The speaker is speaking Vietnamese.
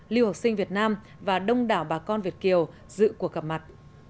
lưu học sinh việt nam và đông đảo bà con việt kiều dự cuộc gặp mặt